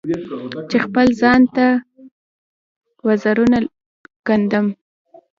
چې خپل ځان ته وزرونه ګنډم